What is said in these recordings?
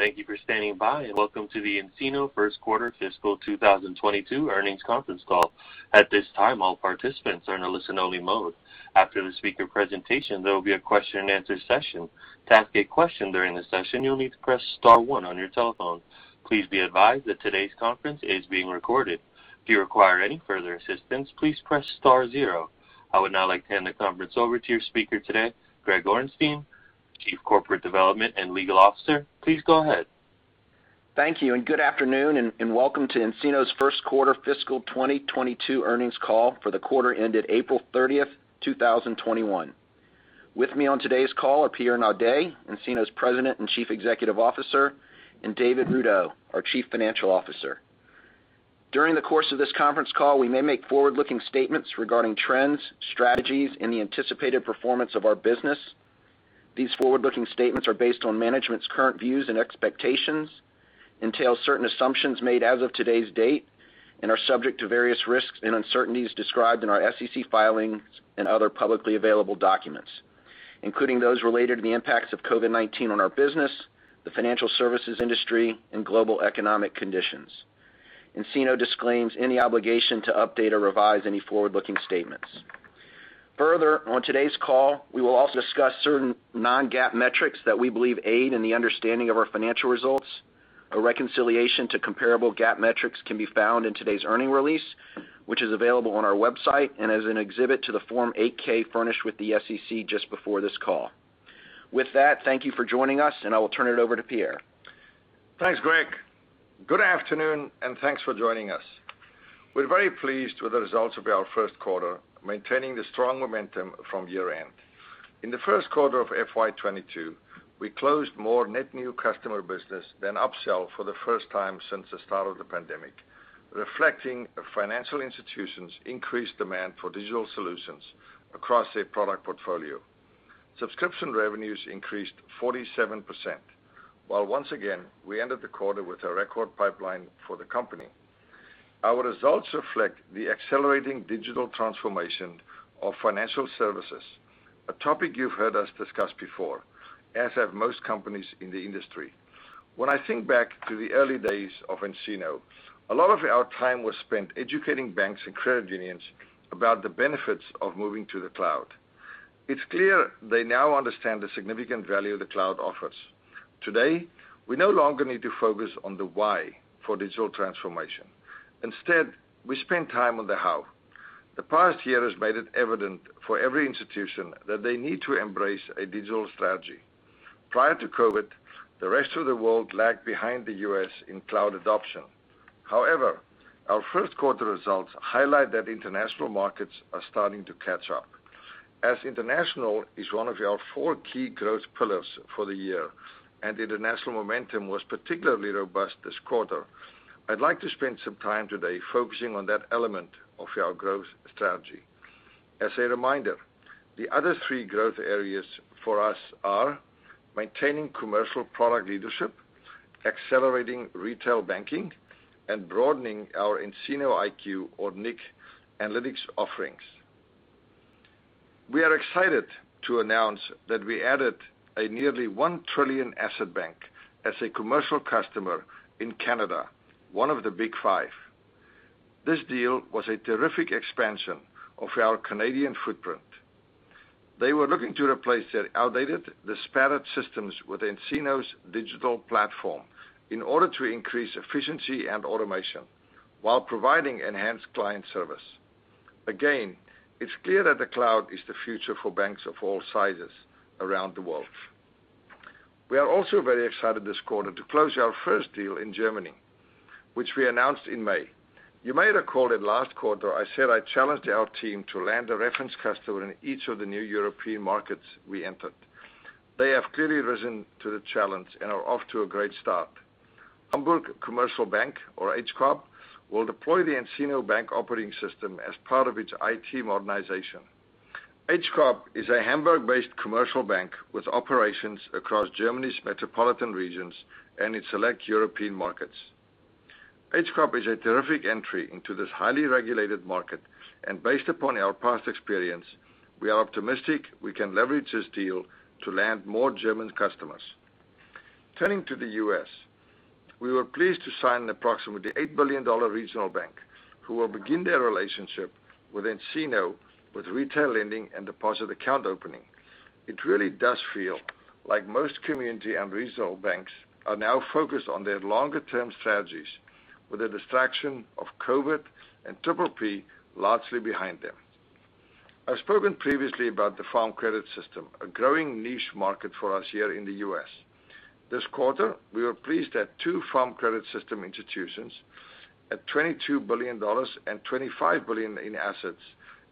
Thank you for standing by. Welcome to the nCino first quarter fiscal 2022 earnings conference call. At this time, all participants are in a listen-only mode. After the speaker presentation, there will be a question and answer session. To ask a question during the session, you'll need to press star one on your telephone. Please be advised that today's conference is being recorded. If you require any further assistance, please press star zero. I would now like to hand the conference over to your speaker today, Greg Orenstein, Chief Corporate Development and Legal Officer. Please go ahead. Thank you. Good afternoon, and welcome to nCino's first quarter fiscal 2022 earnings call for the quarter ended April 30th, 2021. With me on today's call are Pierre Naudé, nCino's President and Chief Executive Officer, and David Rudow, our Chief Financial Officer. During the course of this conference call, we may make forward-looking statements regarding trends, strategies, and the anticipated performance of our business. These forward-looking statements are based on management's current views and expectations, entail certain assumptions made as of today's date, and are subject to various risks and uncertainties described in our SEC filings and other publicly available documents, including those related to the impacts of COVID-19 on our business, the financial services industry, and global economic conditions. nCino disclaims any obligation to update or revise any forward-looking statements. Further, on today's call, we will also discuss certain non-GAAP metrics that we believe aid in the understanding of our financial results. A reconciliation to comparable GAAP metrics can be found in today's earnings release, which is available on our website and as an exhibit to the Form 8-K furnished with the SEC just before this call. With that, thank you for joining us, and I will turn it over to Pierre. Thanks, Greg. Good afternoon, and thanks for joining us. We're very pleased with the results of our first quarter, maintaining the strong momentum from year-end. In the first quarter of FY 2022, we closed more net new customer business than upsell for the first time since the start of the pandemic, reflecting financial institutions' increased demand for digital solutions across their product portfolio. Subscription revenues increased 47%, while once again, we ended the quarter with a record pipeline for the company. Our results reflect the accelerating digital transformation of financial services, a topic you've heard us discuss before, as have most companies in the industry. When I think back to the early days of nCino, a lot of our time was spent educating banks and credit unions about the benefits of moving to the cloud. It's clear they now understand the significant value the cloud offers. Today, we no longer need to focus on the why for digital transformation. Instead, we spend time on the how. The past year has made it evident for every institution that they need to embrace a digital strategy. Prior to COVID-19, the rest of the world lagged behind the U.S. in cloud adoption. However, our first quarter results highlight that international markets are starting to catch up. As international is one of our four key growth pillars for the year and international momentum was particularly robust this quarter, I'd like to spend some time today focusing on that element of our growth strategy. As a reminder, the other three growth areas for us are maintaining commercial product leadership, accelerating retail banking, and broadening our nCino IQ or nIQ analytics offerings. We are excited to announce that we added a nearly $1 trillion asset bank as a commercial customer in Canada, one of the Big Five. This deal was a terrific expansion of our Canadian footprint. They were looking to replace their outdated, disparate systems with nCino's digital platform in order to increase efficiency and automation while providing enhanced client service. It's clear that the cloud is the future for banks of all sizes around the world. We are also very excited this quarter to close our first deal in Germany, which we announced in May. You may recall that last quarter I said I challenged our team to land a reference customer in each of the new European markets we entered. They have clearly risen to the challenge and are off to a great start. Hamburg Commercial Bank, or HCoB, will deploy the nCino Bank Operating System as part of its IT modernization. HCoB is a Hamburg-based commercial bank with operations across Germany's metropolitan regions and in select European markets. HCoB is a terrific entry into this highly regulated market, and based upon our past experience, we are optimistic we can leverage this deal to land more German customers. Turning to the U.S., we were pleased to sign an approximately $8 billion regional bank who will begin their relationship with nCino with retail lending and deposit account opening. It really does feel like most community and regional banks are now focused on their longer-term strategies with the distraction of COVID-19 and PPP largely behind them. I've spoken previously about the Farm Credit System, a growing niche market for us here in the U.S. This quarter, we were pleased that two Farm Credit System institutions at $22 billion and $25 billion in assets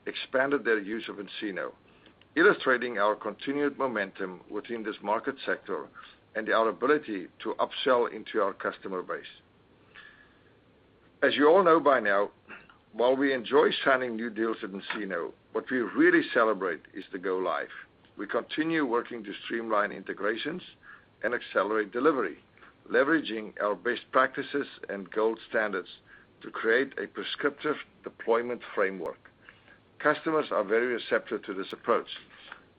expanded their use of nCino, illustrating our continued momentum within this market sector and our ability to upsell into our customer base. As you all know by now, while we enjoy signing new deals at nCino, what we really celebrate is the go live. We continue working to streamline integrations and accelerate delivery, leveraging our best practices and gold standards to create a prescriptive deployment framework. Customers are very receptive to this approach,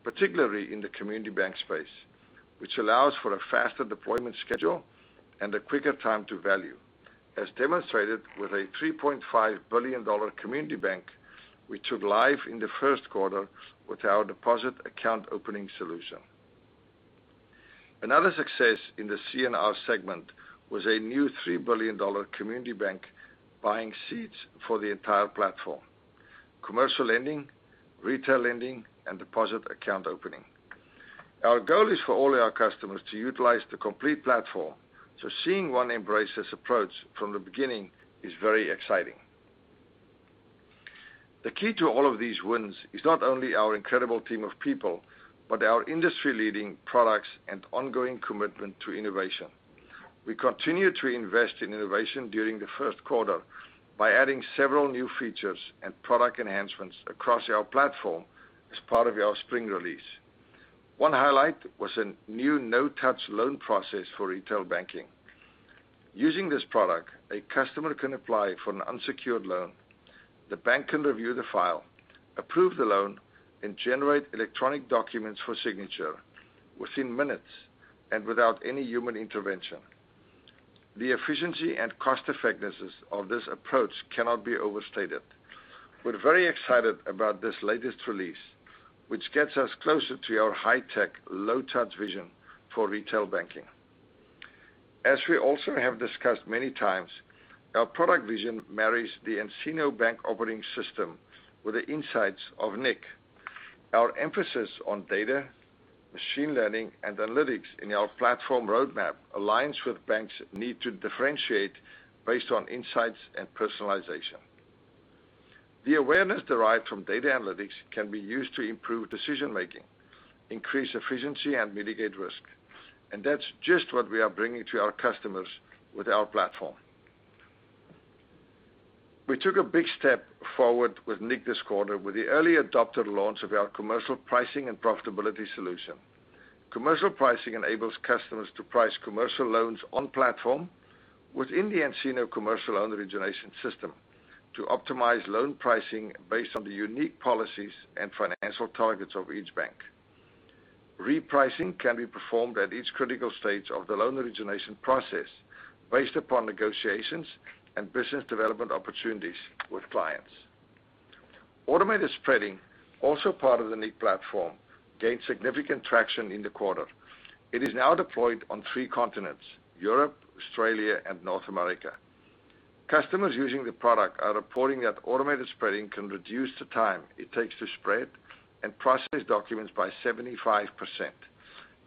particularly in the community bank space, which allows for a faster deployment schedule and a quicker time to value, as demonstrated with a $3.5 billion community bank which went live in the first quarter with our deposit account opening solution. Another success in the C&R segment was a new $3 billion community bank buying seats for the entire platform. Commercial lending, retail lending, and deposit account opening. Our goal is for all our customers to utilize the complete platform, so seeing one embrace this approach from the beginning is very exciting. The key to all of these wins is not only our incredible team of people, but our industry-leading products and ongoing commitment to innovation. We continued to invest in innovation during the first quarter by adding several new features and product enhancements across our platform as part of our spring release. One highlight was a new no-touch loan process for retail banking. Using this product, a customer can apply for an unsecured loan. The bank can review the file, approve the loan, and generate electronic documents for signature within minutes and without any human intervention. The efficiency and cost-effectiveness of this approach cannot be overstated. We're very excited about this latest release, which gets us closer to our high-tech, low-touch vision for retail banking. As we also have discussed many times, our product vision marries the nCino Bank Operating System with the insights of nIQ. Our emphasis on data, machine learning, and analytics in our platform roadmap aligns with banks' need to differentiate based on insights and personalization. The awareness derived from data analytics can be used to improve decision-making, increase efficiency, and mitigate risk, and that's just what we are bringing to our customers with our platform. We took a big step forward with nIQ this quarter with the early adopter launch of our commercial pricing and profitability solution. Commercial pricing enables customers to price commercial loans on-platform within the nCino commercial loan origination system to optimize loan pricing based on the unique policies and financial targets of each bank. Repricing can be performed at each critical stage of the loan origination process based upon negotiations and business development opportunities with clients. Automated spreading, also part of the nIQ platform, gained significant traction in the quarter. It is now deployed on three continents, Europe, Australia, and North America. Customers using the product are reporting that automated spreading can reduce the time it takes to spread and process documents by 75%,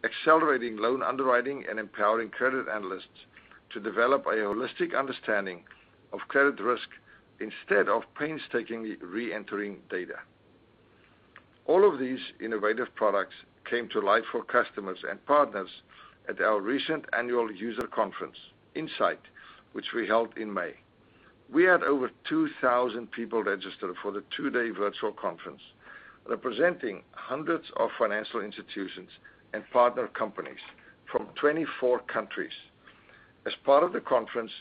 accelerating loan underwriting and empowering credit analysts to develop a holistic understanding of credit risk instead of painstakingly re-entering data. All of these innovative products came to life for customers and partners at our recent annual user conference, nSight, which we held in May. We had over 2,000 people registered for the two-day virtual conference, representing hundreds of financial institutions and partner companies from 24 countries. As part of the conference,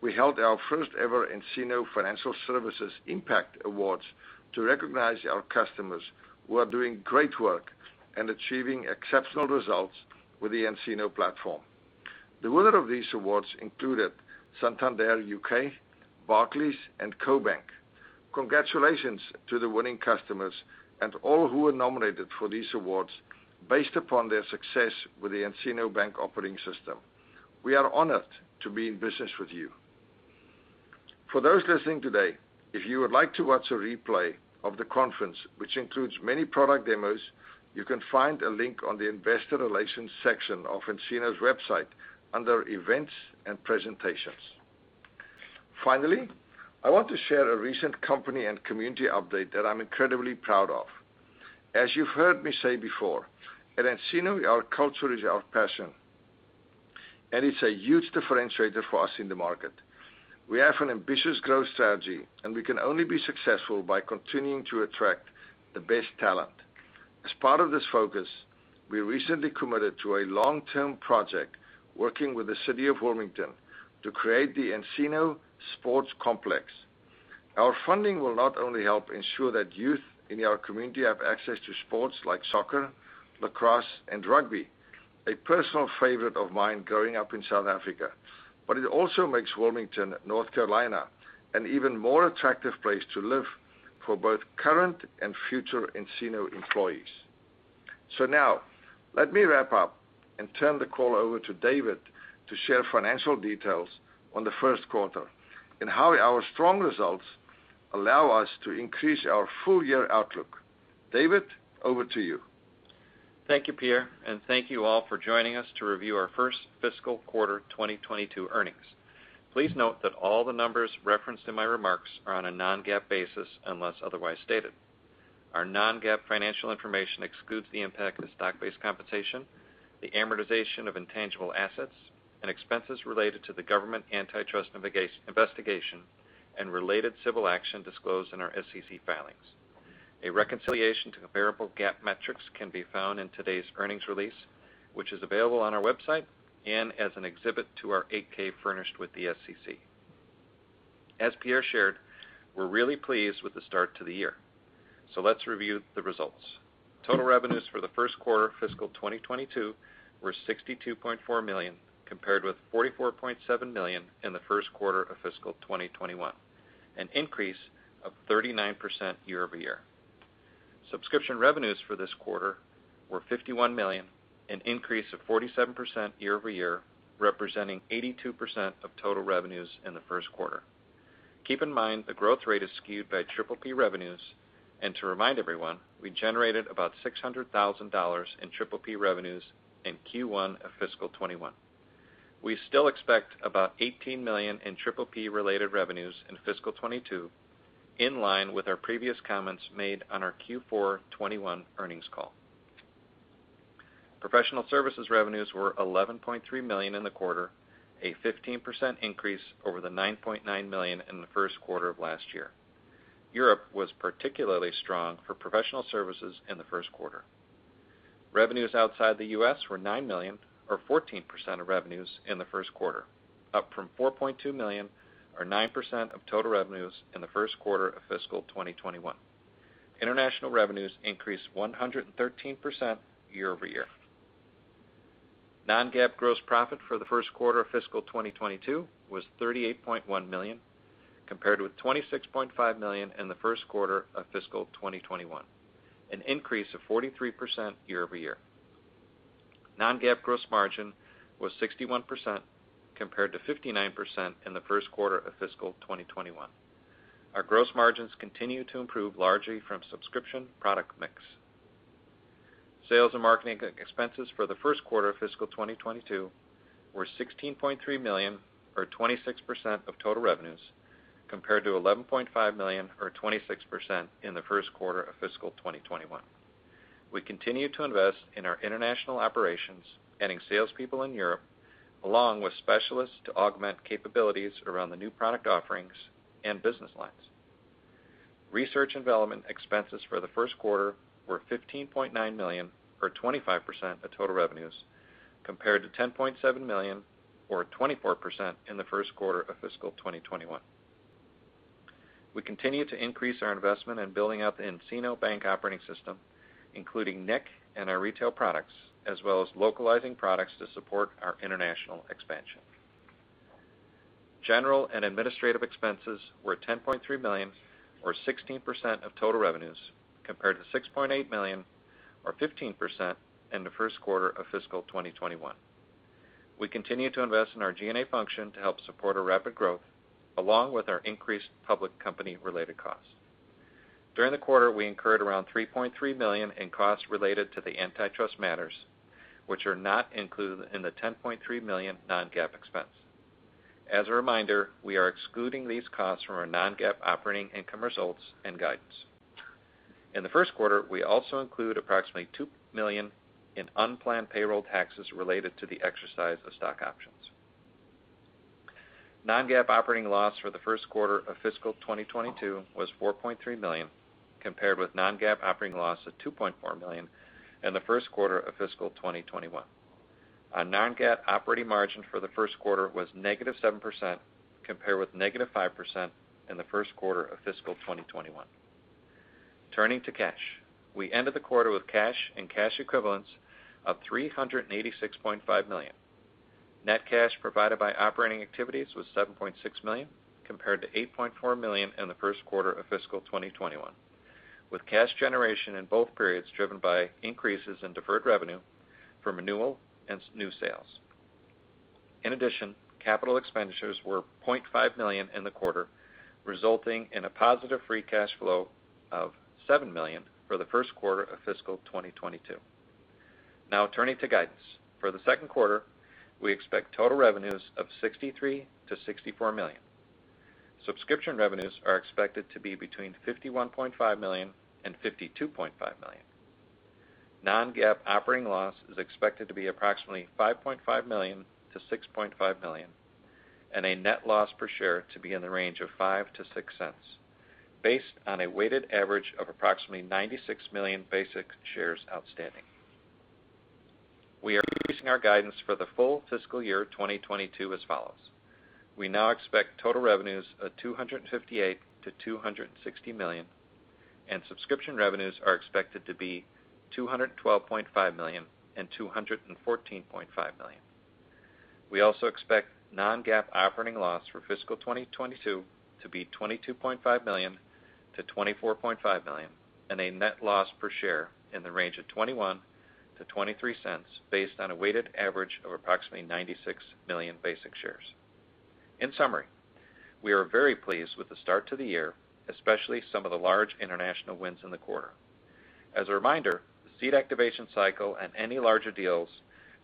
we held our first ever nCino Financial Services Impact Awards to recognize our customers who are doing great work and achieving exceptional results with the nCino platform. The winner of these awards included Santander U.K., Barclays, and CoBank. Congratulations to the winning customers and all who were nominated for these awards based upon their success with the nCino Bank Operating System. We are honored to be in business with you. For those listening today, if you would like to watch a replay of the conference, which includes many product demos, you can find a link on the investor relations section of nCino's website under events and presentations. Finally, I want to share a recent company and community update that I'm incredibly proud of. As you've heard me say before, at nCino, our culture is our passion, and it's a huge differentiator for us in the market. We have an ambitious growth strategy, and we can only be successful by continuing to attract the best talent. As part of this focus, we recently committed to a long-term project working with the city of Wilmington to create the nCino Sports Park. Our funding will not only help ensure that youth in our community have access to sports like soccer, lacrosse, and rugby, a personal favorite of mine growing up in South Africa, but it also makes Wilmington, North Carolina, an even more attractive place to live for both current and future nCino employees. Now, let me wrap up and turn the call over to David to share financial details on the first quarter and how our strong results allow us to increase our full-year outlook. David, over to you. Thank you, Pierre, and thank you all for joining us to review our first fiscal quarter 2022 earnings. Please note that all the numbers referenced in my remarks are on a non-GAAP basis, unless otherwise stated. Our non-GAAP financial information excludes the impact of stock-based compensation, the amortization of intangible assets, and expenses related to the government antitrust investigation and related civil action disclosed in our SEC filings. A reconciliation to comparable GAAP metrics can be found in today's earnings release, which is available on our website and as an exhibit to our 8-K furnished with the SEC. As Pierre shared, we're really pleased with the start to the year. Let's review the results. Total revenues for the first quarter of fiscal 2022 were $62.4 million, compared with $44.7 million in the first quarter of fiscal 2021, an increase of 39% year-over-year. Subscription revenues for this quarter were $51 million, an increase of 47% year-over-year, representing 82% of total revenues in the first quarter. Keep in mind, the growth rate is skewed by PPP revenues. To remind everyone, we generated about $600,000 in PPP revenues in Q1 of fiscal 2021. We still expect about $18 million in PPP-related revenues in fiscal 2022, in line with our previous comments made on our Q4 2021 earnings call. Professional services revenues were $11.3 million in the quarter, a 15% increase over the $9.9 million in the first quarter of last year. Europe was particularly strong for professional services in the first quarter. Revenues outside the U.S. were $9 million or 14% of revenues in the first quarter, up from $4.2 million or 9% of total revenues in the first quarter of fiscal 2021. International revenues increased 113% year-over-year. Non-GAAP gross profit for the first quarter of fiscal 2022 was $38.1 million, compared with $26.5 million in the first quarter of fiscal 2021, an increase of 43% year-over-year. Non-GAAP gross margin was 61% compared to 59% in the first quarter of fiscal 2021. Our gross margins continue to improve largely from subscription product mix. Sales and marketing expenses for the first quarter of fiscal 2022 were $16.3 million or 26% of total revenues, compared to $11.5 million or 26% in the first quarter of fiscal 2021. We continue to invest in our international operations, adding salespeople in Europe, along with specialists to augment capabilities around the new product offerings and business lines. Research and development expenses for the first quarter were $15.9 million or 25% of total revenues, compared to $10.7 million or 24% in the first quarter of fiscal 2021. We continue to increase our investment in building out the nCino Bank Operating System, including nIQ and our retail products, as well as localizing products to support our international expansion. General and administrative expenses were $10.3 million or 16% of total revenues, compared to $6.8 million or 15% in the first quarter of fiscal 2021. We continue to invest in our G&A function to help support our rapid growth, along with our increased public company-related costs. During the quarter, we incurred around $3.3 million in costs related to the antitrust matters, which are not included in the $10.3 million non-GAAP expense. As a reminder, we are excluding these costs from our non-GAAP operating income results and guidance. In the first quarter, we also include approximately $2 million in unplanned payroll taxes related to the exercise of stock options. Non-GAAP operating loss for the first quarter of fiscal 2022 was $4.3 million, compared with non-GAAP operating loss of $2.4 million in the first quarter of fiscal 2021. Our non-GAAP operating margin for the first quarter was negative 7%, compared with negative 5% in the first quarter of fiscal 2021. Turning to cash. We ended the quarter with cash and cash equivalents of $386.5 million. Net cash provided by operating activities was $7.6 million, compared to $8.4 million in the first quarter of fiscal 2021, with cash generation in both periods driven by increases in deferred revenue from renewal and new sales. In addition, capital expenditures were $0.5 million in the quarter, resulting in a positive free cash flow of $7 million for the first quarter of fiscal 2022. Turning to guidance. For the second quarter, we expect total revenues of $63 million-$64 million. Subscription revenues are expected to be between $51.5 million and $52.5 million. non-GAAP operating loss is expected to be approximately $5.5 million-$6.5 million, and a net loss per share to be in the range of $0.05-$0.06 based on a weighted average of approximately 96 million basic shares outstanding. We are increasing our guidance for the full fiscal year 2022 as follows. We now expect total revenues of $258 million-$260 million, and subscription revenues are expected to be $212.5 million and $214.5 million. We also expect non-GAAP operating loss for fiscal 2022 to be $22.5 million-$24.5 million, and a net loss per share in the range of $0.21-$0.23 based on a weighted average of approximately 96 million basic shares. In summary, we are very pleased with the start to the year, especially some of the large international wins in the quarter. As a reminder, the seat activation cycle and any larger deals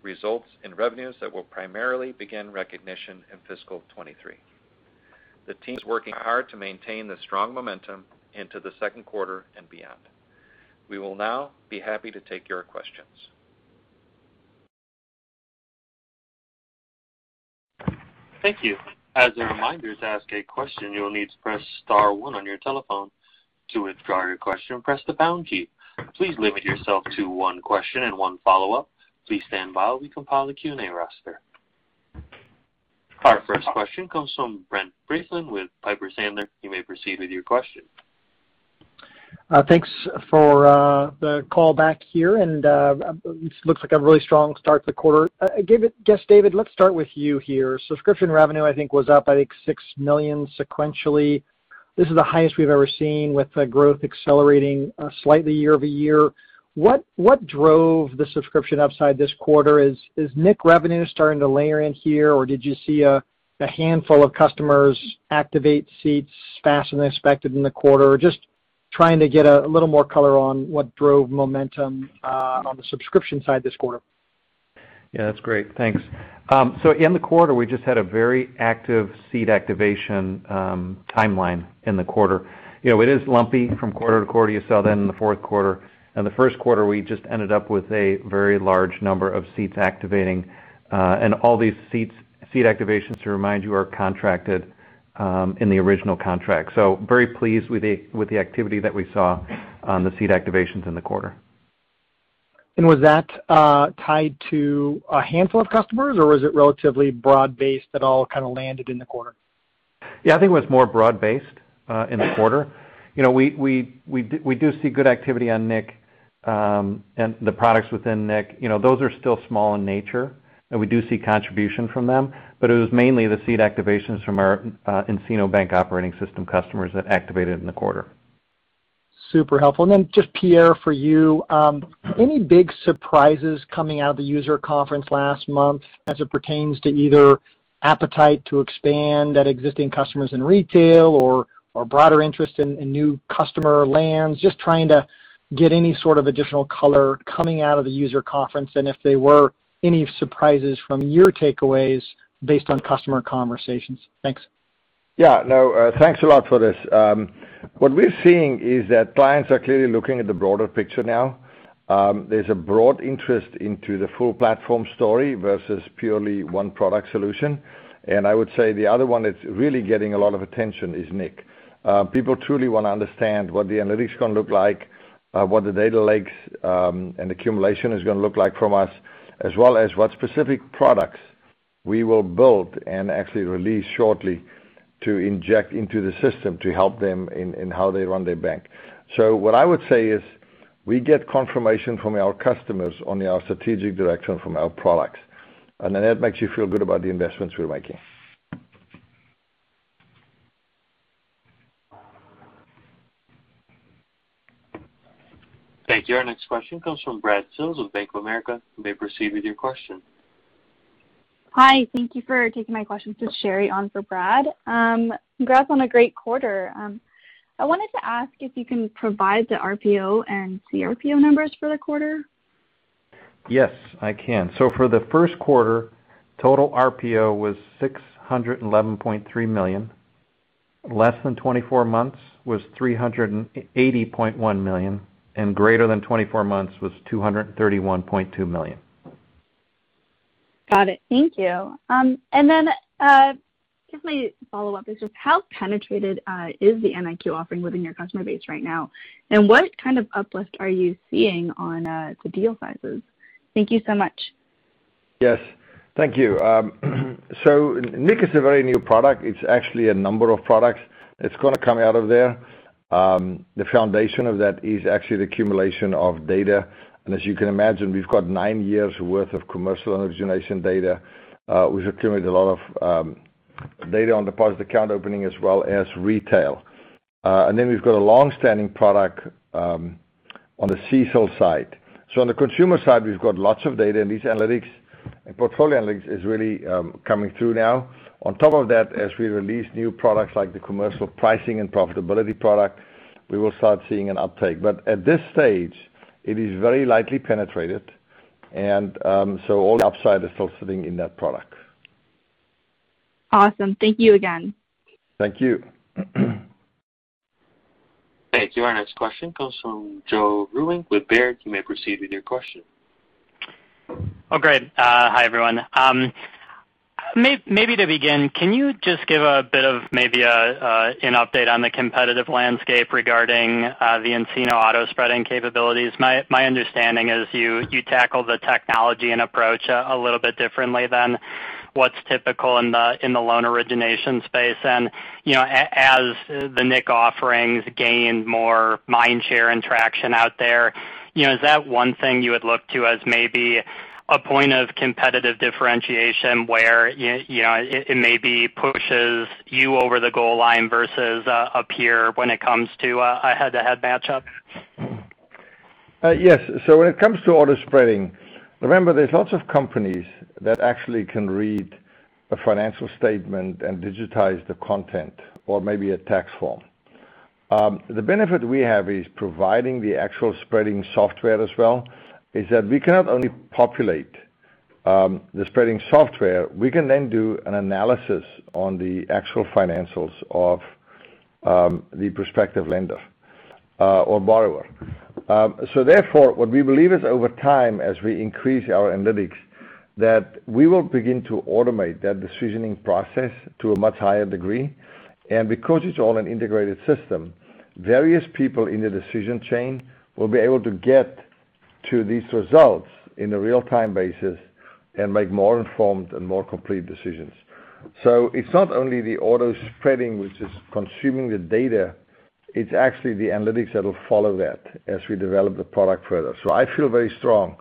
results in revenues that will primarily begin recognition in fiscal 2023. The team is working hard to maintain the strong momentum into the second quarter and beyond. We will now be happy to take your questions. Thank you. Our first question comes from Brent Bracelin with Piper Sandler. You may proceed with your question. Thanks for the call back here. It looks like a really strong start to the quarter. I guess, David, let's start with you here. Subscription revenue, I think, was up by $6 million sequentially. This is the highest we've ever seen with the growth accelerating slightly year-over-year. What drove the subscription upside this quarter? Is nIQ revenue starting to layer in here, or did you see a handful of customers activate seats faster than expected in the quarter? Just trying to get a little more color on what drove momentum on the subscription side this quarter. Yeah, that's great. Thanks. In the quarter, we just had a very active seat activation timeline in the quarter. It is lumpy from quarter to quarter. You saw that in the fourth quarter and the first quarter, we just ended up with a very large number of seats activating. All these seat activations, to remind you, are contracted in the original contract. Very pleased with the activity that we saw on the seat activations in the quarter. Was that tied to a handful of customers, or was it relatively broad-based that all kind of landed in the quarter? I think it was more broad-based in the quarter. We do see good activity on nIQ and the products within nIQ. Those are still small in nature, and we do see contributions from them, but it was mainly the seat activations from our nCino Bank Operating System customers that activated in the quarter. Super helpful. Then just Pierre for you, any big surprises coming out of the nSight last month as it pertains to either appetite to expand that existing customers in consumer or broader interest in new customer lands? Just trying to get any sort of additional color coming out of the user conference, and if there were any surprises from your takeaways based on customer conversations. Thanks. Yeah. No, thanks a lot for this. What we're seeing is that clients are clearly looking at the broader picture now. There's a broad interest into the full platform story versus purely one product solution. I would say the other one that's really getting a lot of attention is nIQ. People truly want to understand what the analytics is going to look like, what the data lakes and accumulation is going to look like from us, as well as what specific products we will build and actually release shortly to inject into the system to help them in how they run their bank. What I would say is we get confirmation from our customers on our strategic direction from our products. That makes you feel good about the investments we're making. Thank you. Our next question comes from Brad Sills with Bank of America. You may proceed with your question. Hi, thank you for taking my question. It's Sherry on for Brad. Congrats on a great quarter. I wanted to ask if you can provide the RPO and CRPO numbers for the quarter. Yes, I can. For the first quarter, total RPO was $611.3 million. Less than 24 months was $380.1 million, and greater than 24 months was $231.2 million. Got it. Thank you. Just a follow-up is just how penetrated is the nIQ offering within your customer base right now, and what kind of uplift are you seeing on the deal sizes? Thank you so much. Yes. Thank you. nIQ is a very new product. It's actually a number of products that's going to come out of there. The foundation of that is actually the accumulation of data. As you can imagine, we've got nine years' worth of commercial origination data. We've accumulated a lot of data on the deposit account opening as well as retail. We've got a longstanding product on the consumer side. On the consumer side, we've got lots of data, and these analytics and portfolio analytics is really coming through now. On top of that, as we release new products like the commercial pricing and profitability product, we will start seeing an uptake. At this stage, it is very lightly penetrated, all the upside is still sitting in that product. Awesome. Thank you again. Thank you. Thank you. Our next question comes from Joe Vruwink with Baird. Oh, great. Hi, everyone. Maybe to begin, can you just give a bit of maybe an update on the competitive landscape regarding the nCino auto spreading capabilities? My understanding is you tackle the technology and approach a little bit differently than what's typical in the loan origination space. As the nIQ offerings gain more mind share interaction out there, is that one thing you would look to as maybe a point of competitive differentiation where it maybe pushes you over the goal line versus a peer when it comes to a head-to-head matchup? Yes. When it comes to auto spreading, remember there's lots of companies that actually can read a financial statement and digitize the content or maybe a tax form. The benefit we have is providing the actual spreading software as well, is that we cannot only populate the spreading software, we can then do an analysis on the actual financials of the prospective lender or borrower. Therefore, what we believe is over time, as we increase our analytics, that we will begin to automate that decisioning process to a much higher degree. Because it's all an integrated system, various people in the decision chain will be able to get to these results on a real-time basis and make more informed and more complete decisions. It's not only the auto spreading, which is consuming the data, it's actually the analytics that will follow that as we develop the product further. I feel very strongly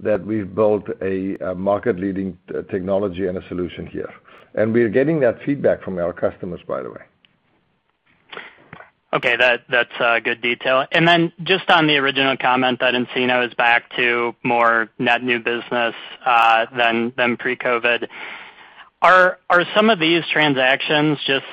that we've built a market-leading technology and a solution here, and we are getting that feedback from our customers, by the way. Okay. That's good detail. Then just on the original comment that nCino is back to more net new business than pre-COVID, are some of these transactions just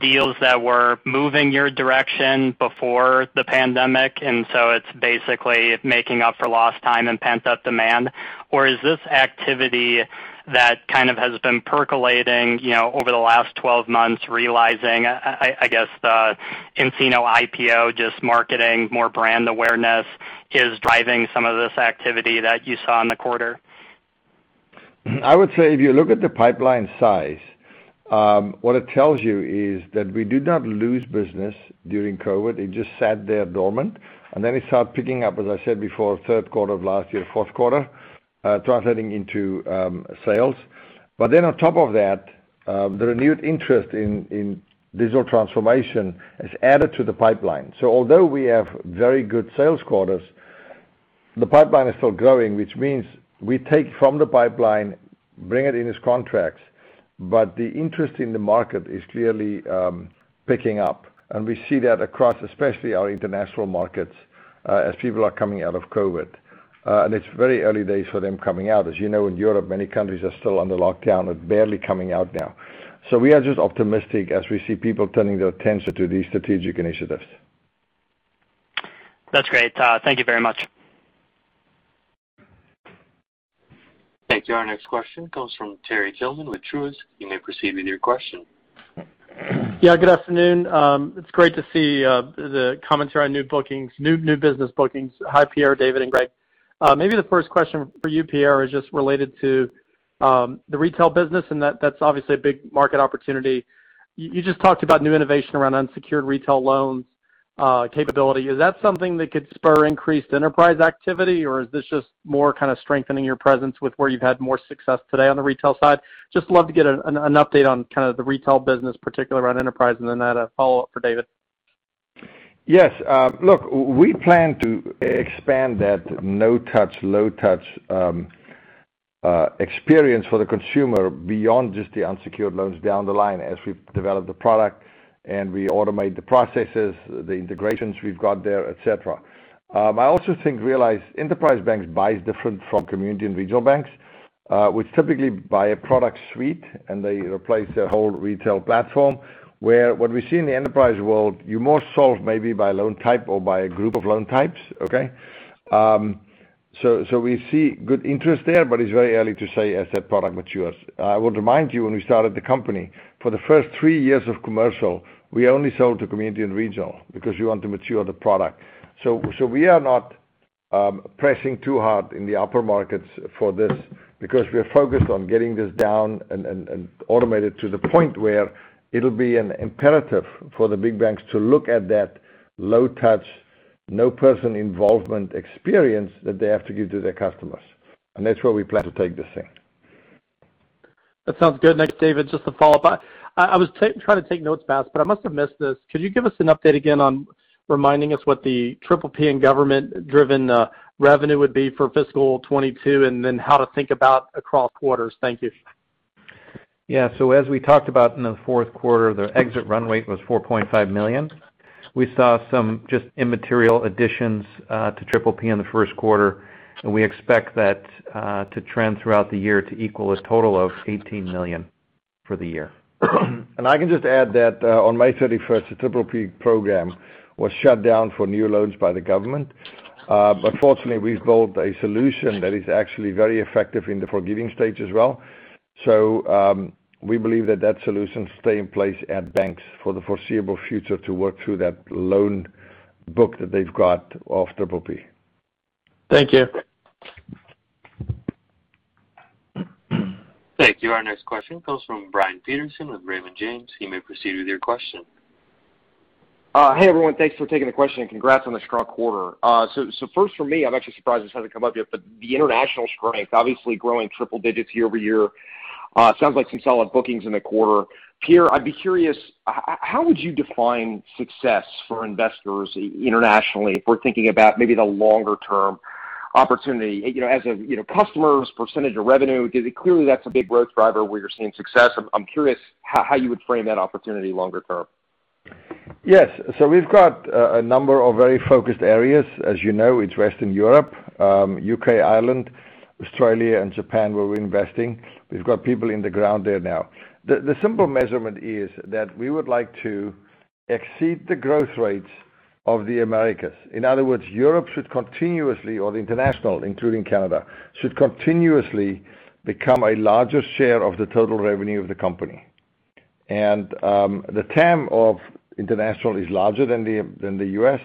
deals that were moving your direction before the pandemic, so it's basically making up for lost time and pent-up demand? Is this activity that has been percolating over the last 12 months, realizing, I guess, the nCino IPO, just marketing more brand awareness is driving some of this activity that you saw in the quarter? I would say if you look at the pipeline size, what it tells you is that we did not lose business during COVID. It just sat there dormant, and then it started picking up, as I said before, third quarter of last year, first quarter, translating into sales. On top of that, the renewed interest in digital transformation has added to the pipeline. Although we have very good sales quarters, the pipeline is still growing, which means we take from the pipeline, bring it in as contracts, but the interest in the market is clearly picking up, and we see that across especially our international markets as people are coming out of COVID. It's very early days for them coming out. As you know, in Europe, many countries are still under lockdown and barely coming out now. We are just optimistic as we see people turning their attention to these strategic initiatives. That's great. Thank you very much. Thank you. Our next question comes from Terry Tillman with Truist. You may proceed with your question. Good afternoon. It's great to see the commentary on new business bookings. Hi, Pierre, David, and Greg. Maybe the first question for you, Pierre, is just related to the retail business, and that's obviously a big market opportunity. You just talked about new innovation around unsecured retail loans capability. Is that something that could spur increased enterprise activity, or is this just more strengthening your presence with where you've had more success today on the retail side? Just love to get an update on the retail business, particularly around enterprise, and then a follow-up for David. Yes. Look, we plan to expand that no-touch, low-touch experience for the consumer beyond just the unsecured loans down the line as we develop the product and we automate the processes, the integrations we've got there, et cetera. I also think, realize enterprise banks buy different from community and regional banks, which typically buy a product suite, and they replace their whole retail platform. Where what we see in the enterprise world, you're more sold maybe by loan type or by a group of loan types, okay? We see good interest there, but it's very early to say as that product matures. I would remind you, when we started the company, for the first three years of commercial, we only sold to community and regional because we want to mature the product. We are not pressing too hard in the upper markets for this because we are focused on getting this down and automated to the point where it'll be an imperative for the big banks to look at that low-touch, no-person involvement experience that they have to give to their customers. That's where we plan to take this thing. That sounds good. Thanks, David. Just to follow up, I was trying to take notes fast, but I must have missed this. Could you give us an update again on reminding us what the PPP and government-driven revenue would be for fiscal 2022, and then how to think about across quarters? Thank you. Yeah. As we talked about in the fourth quarter, the exit runway was $4.5 million. We saw some just immaterial additions to PPP in the first quarter, and we expect that to trend throughout the year to equal a total of $18 million for the year. I can just add that on May 31st, the PPP program was shut down for new loans by the government. Fortunately, we've built a solution that is actually very effective in the forgiving stage as well. We believe that solution will stay in place at banks for the foreseeable future to work through that loan book that they've got of PPP. Thank you. Thank you. Our next question comes from Brian Peterson with Raymond James. You may proceed with your question. Hey, everyone. Thanks for taking the question. Congrats on a strong quarter. First for me, I'm actually surprised this hasn't come up yet, but the international strength obviously growing triple digits year-over-year. Sounds like you saw it in bookings in the quarter. Pierre, I'd be curious, how would you define success for investors internationally if we're thinking about maybe the longer-term opportunity? As customers, percentage of revenue, clearly that's a big growth driver where you're seeing success. I'm curious how you would frame that opportunity longer term. Yes. We've got a number of very focused areas. As you know, it's Western Europe, U.K., Ireland, Australia, and Japan where we're investing. We've got people in the ground there now. The simple measurement is that we would like to exceed the growth rates of the Americas. In other words, Europe should continuously, or international, including Canada, should continuously become a larger share of the total revenue of the company. The TAM of international is larger than the U.S.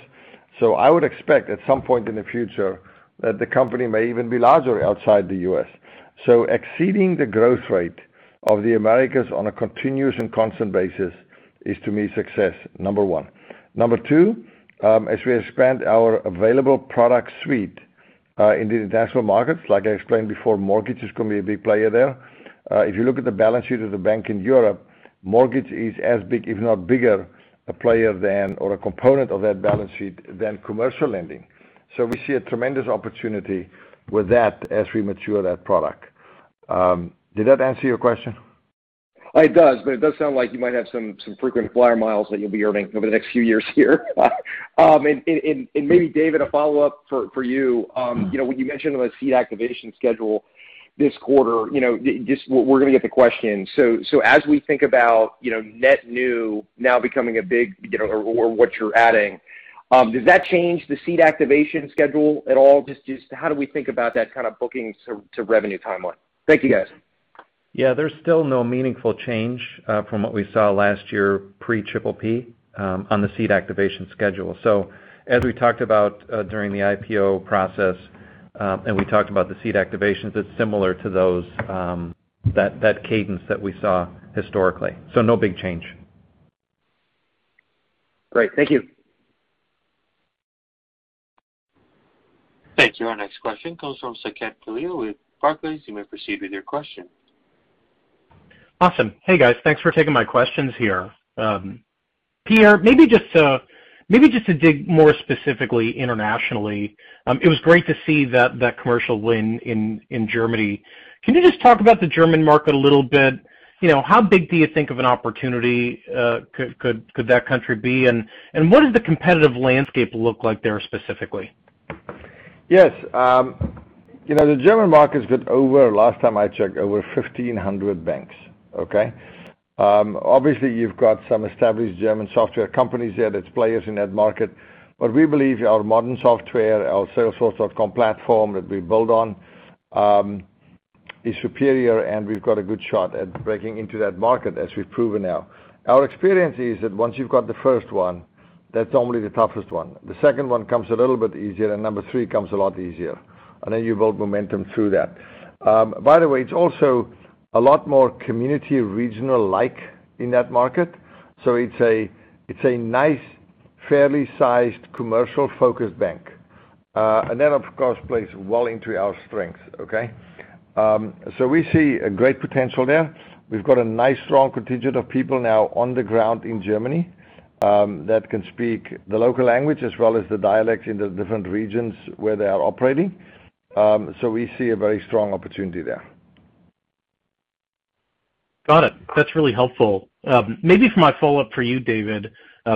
I would expect at some point in the future that the company may even be larger outside the U.S. Exceeding the growth rate of the Americas on a continuous and constant basis is, to me, success, number one. Number two, as we expand our available product suite in the international markets, like I explained before, mortgage is going to be a big player there. If you look at the balance sheet of the bank in Europe, mortgage is as big, if not bigger, a player than, or a component of that balance sheet, than commercial lending. We see a tremendous opportunity with that as we mature that product. Did that answer your question? It does sound like you might have some frequent flyer miles that you'll be earning over the next few years here. Maybe David, a follow-up for you. When you mentioned the seat activation schedule this quarter, we're going to get the question. As we think about net new now becoming a big or what you're adding, does that change the seat activation schedule at all? Just how do we think about that kind of booking to revenue timeline? Thank you, guys. Yeah. There's still no meaningful change from what we saw last year pre PPP on the seat activation schedule. As we talked about during the IPO process, and we talked about the seat activations, it's similar to that cadence that we saw historically. No big change. Great. Thank you. Thank you. Our next question comes from Saket Kalia with Barclays. You may proceed with your question. Awesome. Hey, guys. Thanks for taking my questions here. Pierre, maybe just to dig more specifically internationally, it was great to see that commercial win in Germany. Can you just talk about the German market a little bit? How big do you think of an opportunity could that country be. What does the competitive landscape look like there specifically? Yes. The German market is at, last time I checked, over 1,500 banks. Okay? Obviously, you've got some established German software companies there that plays in that market. We believe our modern software, our Salesforce.com platform that we build on, is superior, and we've got a good shot at breaking into that market, as we've proven now. Our experience is that once you've got the first one, that's normally the toughest one. The second one comes a little bit easier, and number three comes a lot easier, and then you build momentum through that. By the way, it's also a lot more community regional-like in that market. It's a nice, fairly sized commercial-focused bank. That, of course, plays well into our strength. Okay? We see a great potential there. We've got a nice, strong contingent of people now on the ground in Germany that can speak the local language as well as the dialect in the different regions where they are operating. We see a very strong opportunity there. Got it. That's really helpful. Maybe for my follow-up for you, David, I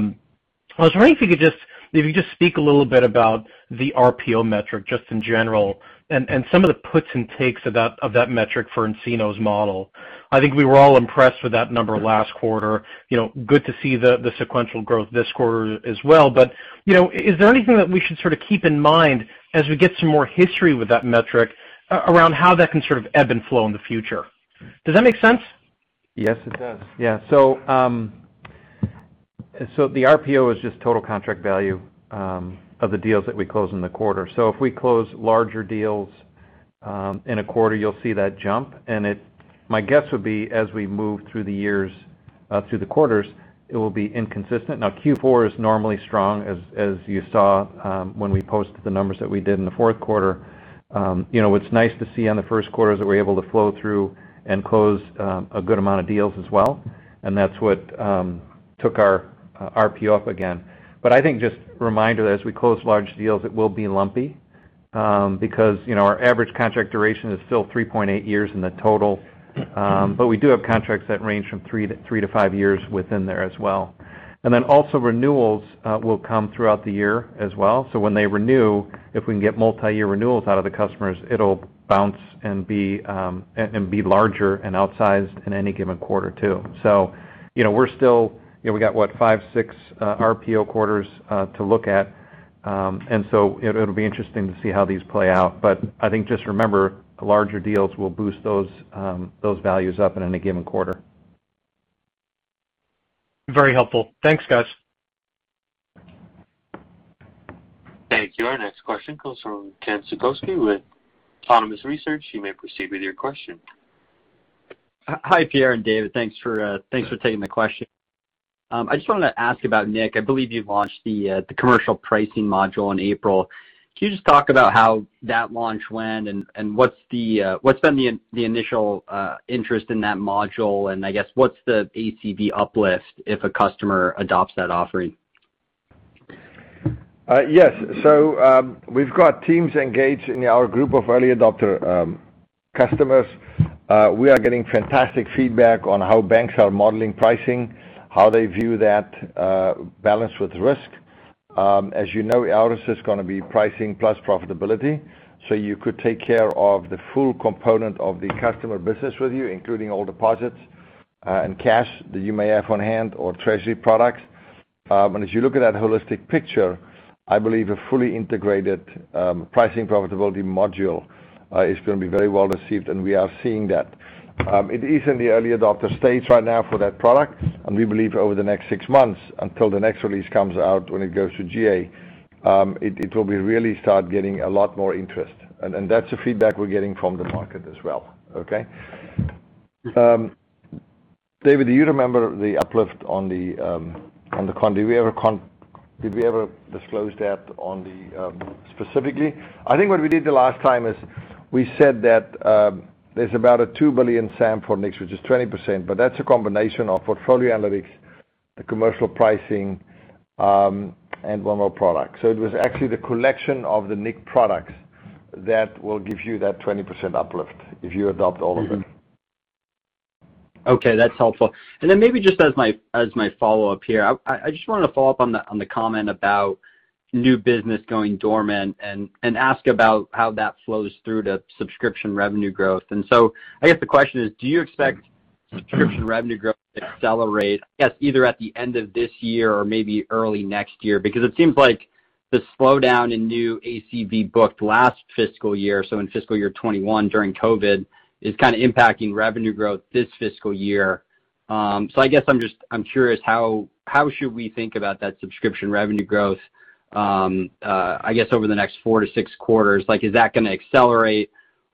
was wondering if you could just speak a little bit about the RPO metric just in general and some of the puts and takes of that metric for nCino's model. I think we were all impressed with that number last quarter. Good to see the sequential growth this quarter as well. Is there anything that we should keep in mind as we get some more history with that metric around how that can ebb and flow in the future? Does that make sense? Yes, it does. Yeah. The RPO is just total contract value of the deals that we close in the quarter. If we close larger deals in a quarter, you'll see that jump, and my guess would be as we move through the quarters, it will be inconsistent. Q4 is normally strong, as you saw when we posted the numbers that we did in the fourth quarter. It's nice to see on the first quarters that we're able to flow through and close a good amount of deals as well, and that's what took our RPO up again. I think just a reminder, as we close large deals, it will be lumpy because our average contract duration is still 3.8 years in the total. We do have contracts that range from three to five years within there as well. Also renewals will come throughout the year as well. When they renew, if we can get multi-year renewals out of the customers, it'll bounce and be larger and outsized in any given quarter, too. We're still, we've got what, five, six RPO quarters to look at. It'll be interesting to see how these play out. I think just remember, the larger deals will boost those values up in any given quarter. Very helpful. Thanks, guys. Thank you. Our next question comes from Ken Suchoski with Autonomous Research. You may proceed with your question. Hi, Pierre and David. Thanks for taking the question. I just want to ask about nIQ. I believe you've launched the commercial pricing module in April. Can you just talk about how that launch went and what's been the initial interest in that module, and I guess what's the ACV uplift if a customer adopts that offering? Yes. We've got teams engaged in our group of early adopter customers. We are getting fantastic feedback on how banks are modeling pricing, how they view that balance with risk. As you know, ours is going to be pricing plus profitability. You could take care of the full component of the customer business with you, including all deposits and cash that you may have on hand or treasury products. And as you look at that holistic picture, I believe a fully integrated pricing profitability module is going to be very well received, and we are seeing that. It is in the early adopter stage right now for that product, and we believe over the next six months until the next release comes out, when it goes to GA, it will be really start getting a lot more interest. That's the feedback we're getting from the market as well. Okay? David, do you remember the uplift on the conference? Did we ever disclose that specifically? I think what we did the last time is we said that there's about a $2 billion SAM for nIQ, which is 20%, but that's a combination of portfolio analytics, the commercial pricing, and one more product. It was actually the collection of the nIQ products that will give you that 20% uplift if you adopt all of them. Okay, that's helpful. Maybe just as my follow-up here, I just want to follow up on the comment about new business going dormant and ask about how that flows through to subscription revenue growth. I guess the question is, do you expect subscription revenue growth to accelerate, I guess either at the end of this year or maybe early next year? Because it seems like the slowdown in new ACV booked last fiscal year, so in fiscal year 2021 during COVID, is kind of impacting revenue growth this fiscal year. I guess I'm curious, how should we think about that subscription revenue growth, I guess over the next four to six quarters? Is that going to accelerate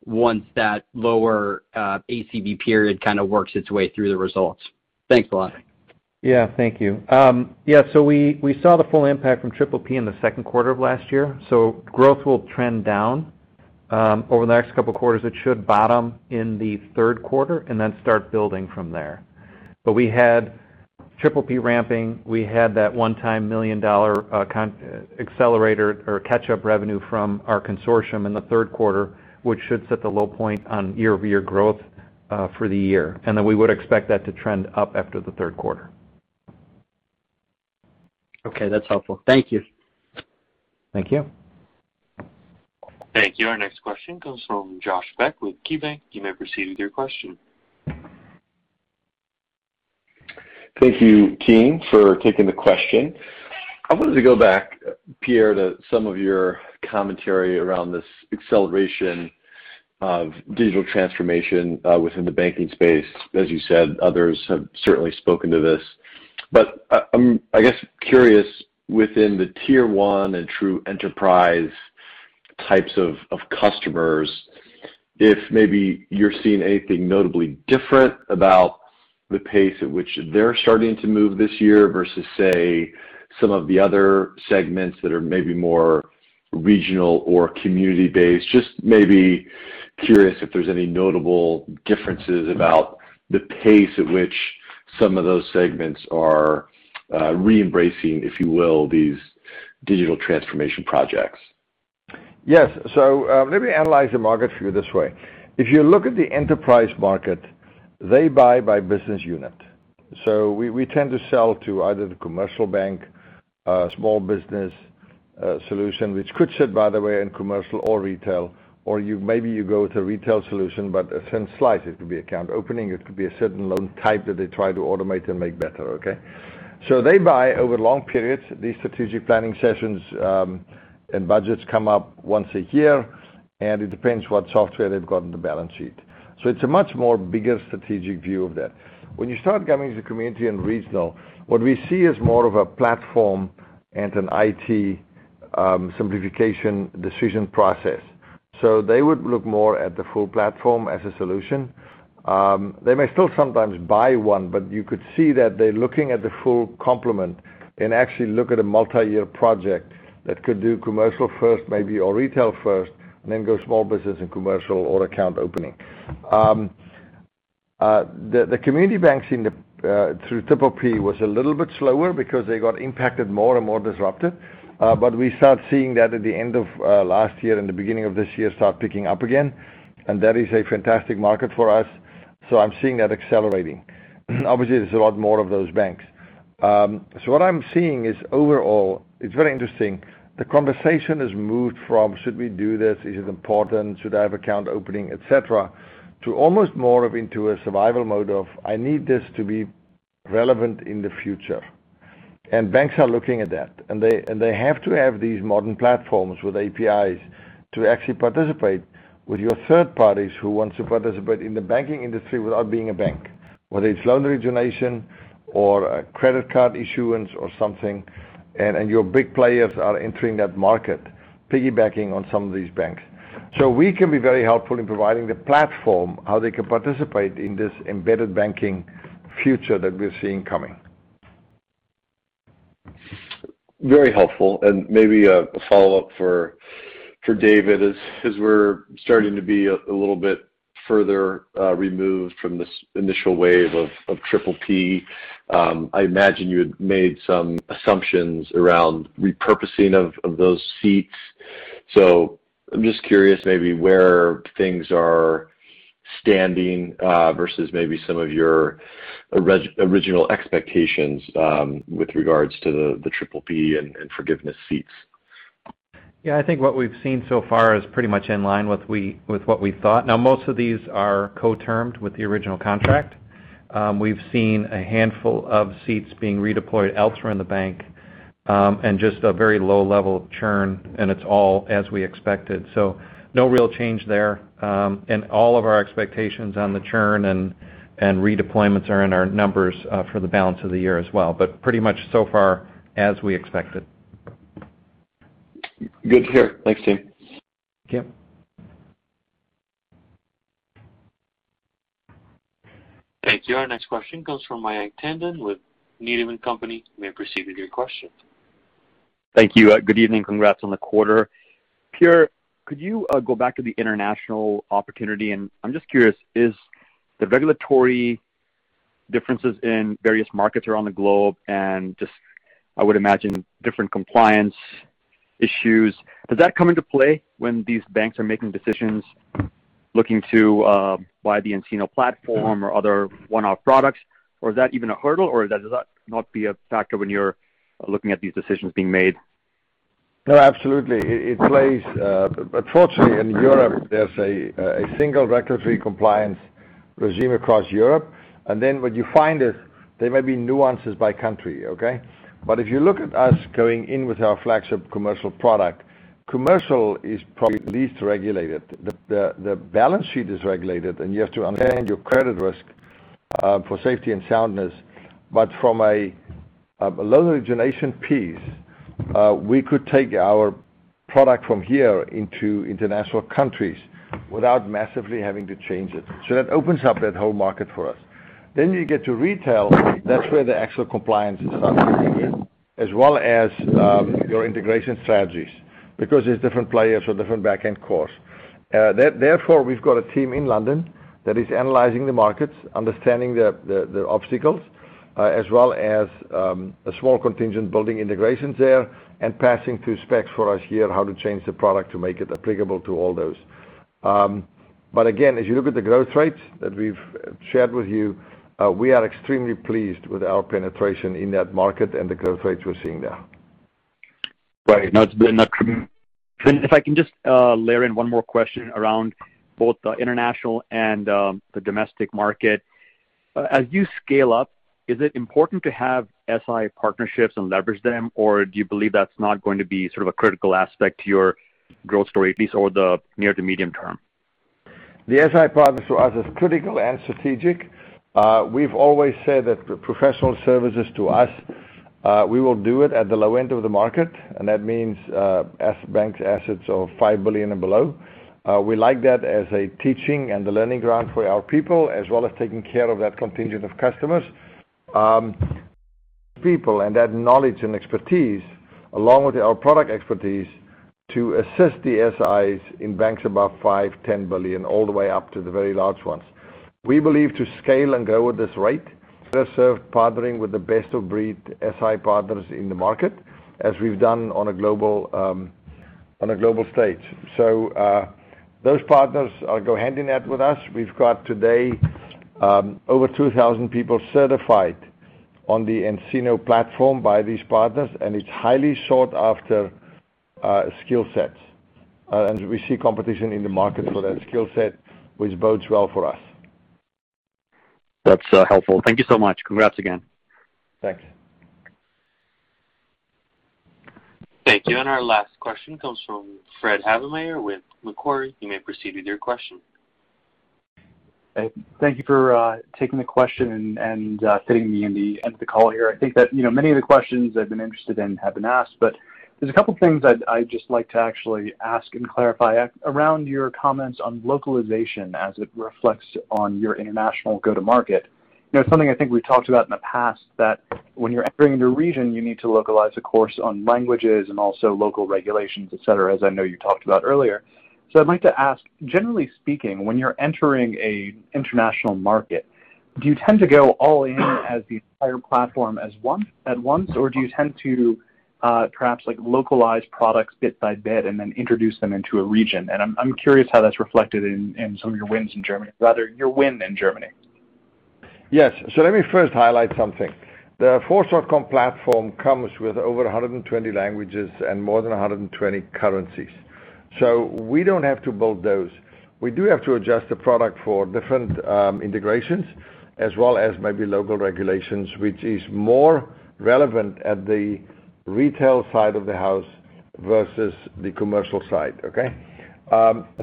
once that lower ACV period kind of works its way through the results? Thanks a lot. Thank you. We saw the full impact from PPP in the second quarter of last year. Growth will trend down over the next couple of quarters. It should bottom in the third quarter and then start building from there. We had PPP ramping. We had that one-time $1 million accelerator or catch-up revenue from our consortium in the third quarter, which should set the low point on year-over-year growth for the year. Then we would expect that to trend up after the third quarter. Okay, that's helpful. Thank you. Thank you. Thank you. Our next question comes from Josh Beck with KeyBanc. You may proceed with your question. Thank you, team, for taking the question. I wanted to go back, Pierre, to some of your commentary around this acceleration of digital transformation within the banking space. As you said, others have certainly spoken to this. I guess, curious within the tier one and true enterprise types of customers, if maybe you're seeing anything notably different about the pace at which they're starting to move this year versus, say, some of the other segments that are maybe more regional or community-based. Just maybe curious if there's any notable differences about the pace at which some of those segments are re-embracing, if you will, these digital transformation projects. Yes. Let me analyze the market for you this way. If you look at the enterprise market, they buy by business unit. We tend to sell to either the commercial bank, small business solution, which could sit, by the way, in commercial or retail, or maybe you go to retail solution, but it's in slice. It could be account opening, it could be a certain loan type that they try to automate and make better, okay? They buy over long periods. These strategic planning sessions and budgets come up once a year, and it depends what software they've got on the balance sheet. It's a much more bigger strategic view of that. When you start going into community and regional, what we see is more of a platform and an IT simplification decision process. They would look more at the full platform as a solution. They may still sometimes buy one. You could see that they're looking at the full complement and actually look at a multi-year project that could do commercial first, maybe, or retail first, and then go small business and commercial or account opening. The community banks through PPP was a little bit slower because they got impacted more and more disrupted. We start seeing that at the end of last year and the beginning of this year start picking up again, and that is a fantastic market for us. I'm seeing that accelerating. Obviously, there's a lot more of those banks. What I'm seeing is overall, it's very interesting. The conversation has moved from, "Should we do this? Is it important? Should I have account opening, et cetera?" To almost more of into a survival mode of, "I need this to be relevant in the future." Banks are looking at that, and they have to have these modern platforms with APIs to actually participate with your third parties who want to participate in the banking industry without being a bank, whether it's loan origination or credit card issuance or something. Your big players are entering that market, piggybacking on some of these banks. We can be very helpful in providing the platform, how they can participate in this embedded banking future that we're seeing coming. Very helpful. Maybe a follow-up for David, as we're starting to be a little bit further removed from this initial wave of PPP. I imagine you had made some assumptions around repurposing of those seats. I'm just curious maybe where things are standing versus maybe some of your original expectations with regards to the PPP and forgiveness seats. I think what we've seen so far is pretty much in line with what we thought. Most of these are co-termed with the original contract. We've seen a handful of seats being redeployed elsewhere in the bank, and just a very low level of churn, and it's all as we expected. No real change there. All of our expectations on the churn and redeployments are in our numbers for the balance of the year as well. Pretty much so far as we expected. Good to hear. Thanks, David. Yep. Thank you. Our next question comes from Mayank Tandon with Needham & Company. You may proceed with your question. Thank you. Good evening, congrats on the quarter. Pierre, could you go back to the international opportunity? I'm just curious, is the regulatory differences in various markets around the globe and just, I would imagine, different compliance issues, does that come into play when these banks are making decisions looking to buy the nCino platform or other one-off products? Or is that even a hurdle? Or does that not be a factor when you're looking at these decisions being made? No, absolutely. It plays. Fortunately, in Europe, there's a single regulatory compliance regime across Europe. What you find is there may be nuances by country, okay? If you look at us going in with our flagship commercial product, commercial is probably least regulated. The balance sheet is regulated, and you have to understand your credit risk for safety and soundness. From a loan origination piece, we could take our product from here into international countries without massively having to change it. That opens up that whole market for us. You get to retail. That's where the actual compliance stuff comes in, as well as your integration strategies, because there's different players for different backend cores. Therefore, we've got a team in London that is analyzing the markets, understanding the obstacles, as well as a small contingent building integrations there and passing through specs for us here, how to change the product to make it applicable to all those. Again, as you look at the growth rates that we've shared with you, we are extremely pleased with our penetration in that market and the growth rates we're seeing there. Great. If I can just layer in one more question around both the international and the domestic market. As you scale up, is it important to have SI partnerships and leverage them, or do you believe that's not going to be sort of a critical aspect to your growth story, at least over the near to medium term? The SI partners to us is critical and strategic. We've always said that professional services to us, we will do it at the low end of the market, and that means bank assets of $5 billion and below. We like that as a teaching and a learning ground for our people, as well as taking care of that contingent of customers. Those people and that knowledge and expertise, along with our product expertise to assist the SIs in banks above $5 billion, $10 billion, all the way up to the very large ones. We believe to scale and go at this rate, better served partnering with the best-of-breed SI partners in the market as we've done on a global stage. Those partners go hand-in-hand with us. We've got today over 2,000 people certified on the nCino platform by these partners, and it's highly sought-after skill sets. We see competition in the market for that skill set, which bodes well for us. That's helpful. Thank you so much. Congrats again. Thanks. Thank you. Our last question comes from Fred Havemeyer with Macquarie. You may proceed with your question. Thank you for taking the question and fitting me in the end of the call here. I think that many of the questions I've been interested in have been asked, but there's a couple of things I'd just like to actually ask and clarify around your comments on localization as it reflects on your international go-to-market. It's something I think we've talked about in the past that when you're entering a region, you need to localize, of course, on languages and also local regulations, et cetera, as I know you talked about earlier. I'd like to ask, generally speaking, when you're entering an international market, do you tend to go all in as the entire platform at once, or do you tend to perhaps localize products bit by bit and then introduce them into a region? I'm curious how that's reflected in your win in Germany. Yes. Let me first highlight something. The Force.com platform comes with over 120 languages and more than 120 currencies. We don't have to build those. We do have to adjust the product for different integrations as well as maybe local regulations, which is more relevant at the retail side of the house versus the commercial side, okay?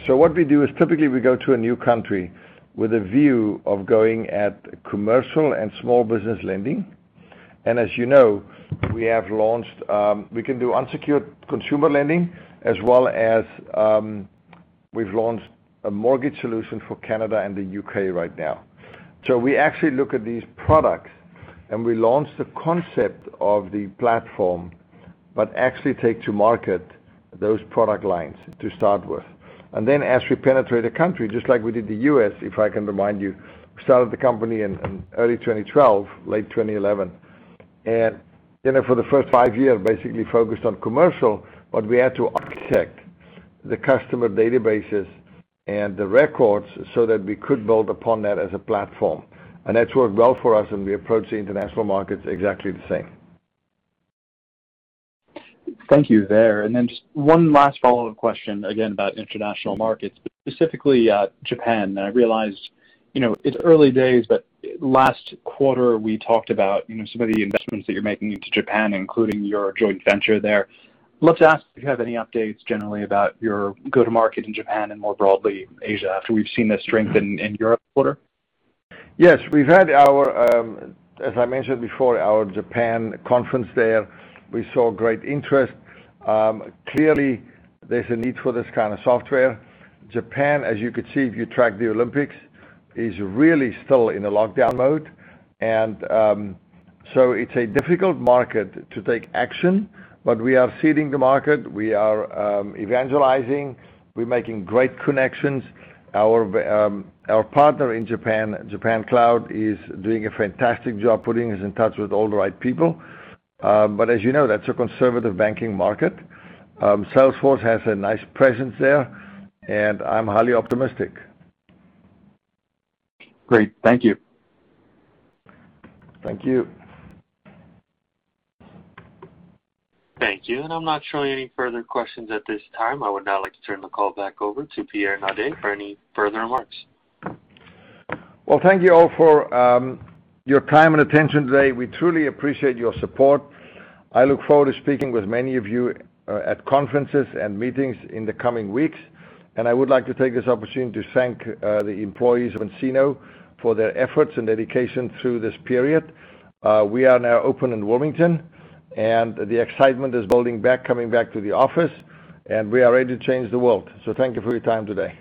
What we do is typically we go to a new country with a view of going at commercial and small business lending. As you know, we can do unsecured consumer lending as well as we've launched a mortgage solution for Canada and the U.K. right now. We actually look at these products, and we launch the concept of the platform, but actually take to market those product lines to start with. As we penetrate a country, just like we did the U.S., if I can remind you, we started the company in early 2012, late 2011, and for the first five years, basically focused on commercial. We had to architect the customer databases and the records so that we could build upon that as a platform. That's worked well for us, and we approach the international markets exactly the same. Thank you there. Then just one last follow-up question, again, about international markets, specifically Japan. I realize it's early days, but last quarter we talked about some of the investments that you're making into Japan, including your joint venture there. Love to ask if you have any updates generally about your go-to-market in Japan and more broadly Asia, after we've seen the strength in Europe quarter. Yes, we've had, as I mentioned before, our Japan conference there. We saw great interest. Clearly, there's a need for this kind of software. Japan, as you could see if you tracked the Olympics, is really still in a lockdown mode. It's a difficult market to take action, but we are seeding the market. We are evangelizing. We're making great connections. Our partner in Japan Cloud, is doing a fantastic job putting us in touch with all the right people. As you know, that's a conservative banking market. Salesforce has a nice presence there, and I'm highly optimistic. Great. Thank you. Thank you. Thank you. I'm not showing any further questions at this time. I would now like to turn the call back over to Pierre Naudé for any further remarks. Well, thank you all for your time and attention today. We truly appreciate your support. I look forward to speaking with many of you at conferences and meetings in the coming weeks. I would like to take this opportunity to thank the employees of nCino for their efforts and dedication through this period. We are now open in Wilmington, the excitement is building back coming back to the office, we are ready to change the world. Thank you for your time today.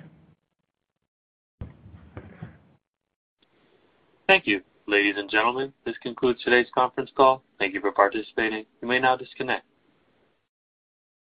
Thank you. Ladies and gentlemen, this concludes today's conference call. Thank you for participating. You may now disconnect.